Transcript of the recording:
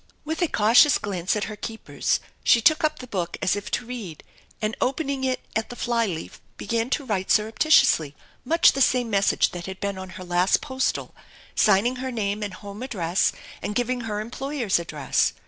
With a cautious glance at her keepers she took up the book as if to read, and opening it at the flyleaf began to write sur reptitiously much the same message that had been on her last postal, signing her name and home address and giving her employers' address.